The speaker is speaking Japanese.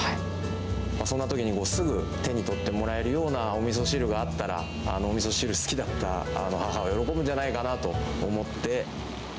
そんなときにすぐ手に取ってもらえるようなおみそ汁があったら、おみそ汁が好きだった母が喜ぶんじゃないかなと思って。